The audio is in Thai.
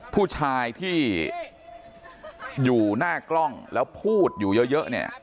ผู้ชายที่อยู่หน้ากล้องแล้วพูดอยู่เยอะเนี่ย